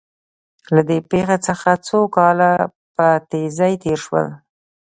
له دې پېښې څخه څو کاله په تېزۍ تېر شول